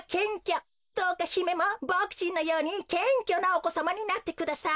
どうかひめもボクちんのようにけんきょなおこさまになってください。